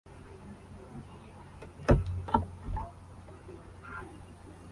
Abantu babiri bagenda mumuhanda batuje